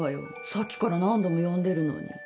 さっきから何度も呼んでるのに。